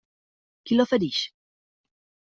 Qui l'ofereix?